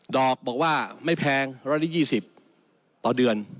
ดอกเบาะเปล่าว่าไม่แพง๑๒๐ต่อเดือน